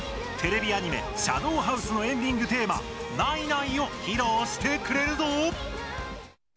テレビアニメ「シャドーハウス」のエンディングテーマ「ないない」を披露してくれるぞ。